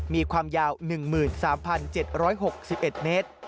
มีความยาว๑๓๗๖๑เมตร